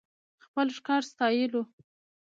خپل ښکار ستايلو .